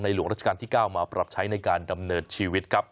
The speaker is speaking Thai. หลวงราชการที่๙มาปรับใช้ในการดำเนินชีวิตครับ